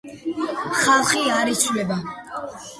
ხალხი არ იცვლება.